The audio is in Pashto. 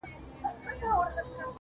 په سپينه زنه كي خال ووهي ويده سمه زه.